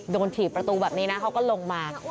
ถี่ประตูแบบนี้นะเขาก็ลงมา